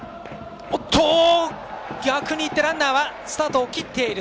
逆にってランナーはスタートを切っている。